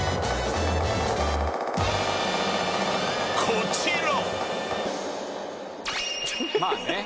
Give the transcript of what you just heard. ［こちら］